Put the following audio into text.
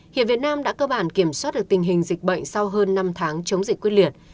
hiện việt nam đã cơ bản kiểm soát được tình hình dịch bệnh sau hơn năm tháng chống dịch quyết liệt